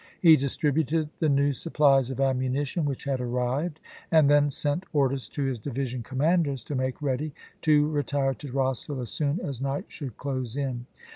He distributed the new supplies of ammunition Sept. 20, 104 ABRAHAM LINCOLN CHAP. IV. which had arrived, and then sent orders to his division commanders to make ready to retire to Eossville as soon as night should close in.